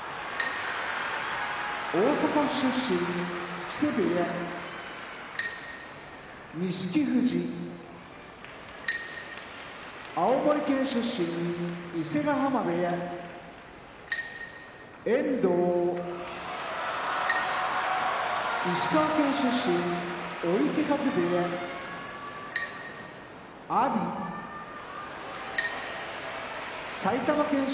大阪府出身木瀬部屋錦富士青森県出身伊勢ヶ濱部屋遠藤石川県出身追手風部屋阿炎埼玉県出身